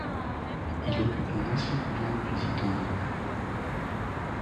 Il occupe un ancien couvent de Visitandines.